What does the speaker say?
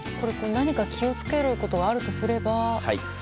何か気を付けることがあるとすれば？